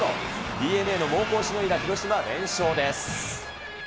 ＤｅＮＡの猛攻をしのいだ広島、連勝です。